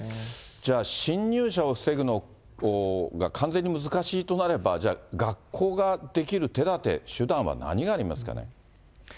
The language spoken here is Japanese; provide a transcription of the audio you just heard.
じゃあ、侵入者を防ぐのが完全に難しいとなれば、じゃあ、学校ができる手だて、手段は何がありますかね。